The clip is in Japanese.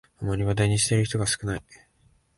あまり話題にしている人が少ない